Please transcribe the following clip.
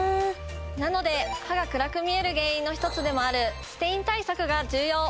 なので歯が暗く見える原因の１つでもあるステイン対策が重要！